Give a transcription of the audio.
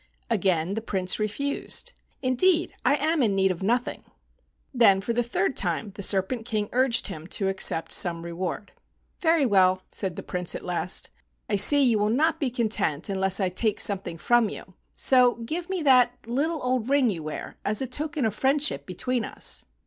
Again the Prince refused. "Indeed, I am in need of nothing." Then for the third time the Serpent King urged him to accept some reward. "Very well," said the Prince at last, "I see you will not be content unless I take some¬ thing from you, so give me the little old ring you wear, as a token of friendship between us."